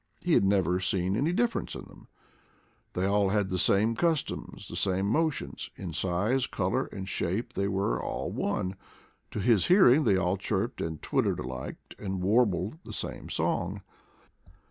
He had never seen any difference in them: they all had the same cus 164 IDLE DAYS IN PATAGONIA toms, the same motions; in size, color, and shape they were all one; to his hearing they all chirped and twittered alike, and warbled the same song.